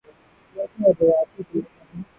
ملک میں ادویات کی قلت نہیں